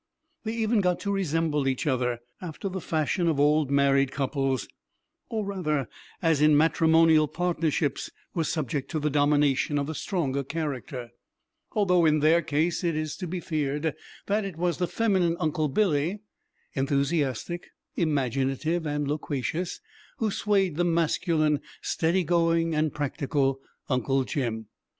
They even got to resemble each other, after the fashion of old married couples, or, rather, as in matrimonial partnerships, were subject to the domination of the stronger character; although in their case it is to be feared that it was the feminine Uncle Billy enthusiastic, imaginative, and loquacious who swayed the masculine, steady going, and practical Uncle Jim.